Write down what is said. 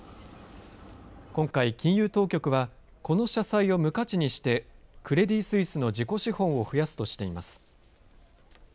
今回金融当局はこの社債を無価値にしてクレディ・スイスの自己資本を増やすとしています。